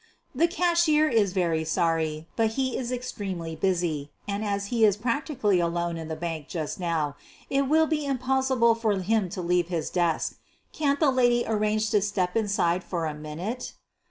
The cashier is very sorry, but he is extremely busy and, as he is practically alone in the bank just now, it will be impossible for him to leave his desk. Can't the lady arrange to step inside for a minute?